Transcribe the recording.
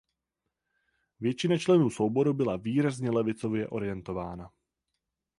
Většina členů souboru byla výrazně levicově orientována.